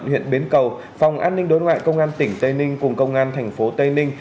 huyện bến cầu phòng an ninh đối ngoại công an tỉnh tây ninh cùng công an tp tây ninh